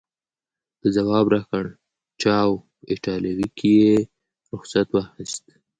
ده ځواب راکړ: چاو، په ایټالوي کې یې رخصت واخیست.